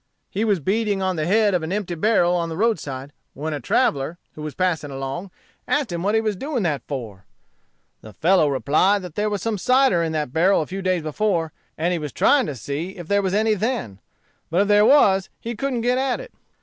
He was beating on the head of an empty barrel on the roadside, when a traveller, who was passing along, asked him what he was doing that for? The fellow replied that there was some cider in that barrel a few days before, and he was trying to see if there was any then; but if there was, he couldn't get at it.